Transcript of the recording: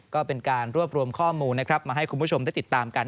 ก็เป็นการรวบรวมข้อมูลนะครับมาให้คุณผู้ชมได้ติดตามกัน